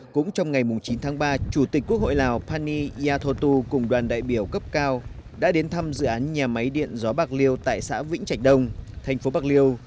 cũng trong ngày chín tháng ba chủ tịch quốc hội lào pani yathotu cùng đoàn đại biểu cấp cao đã đến thăm dự án nhà máy điện gió bạc liêu tại xã vĩnh trạch đông thành phố bạc liêu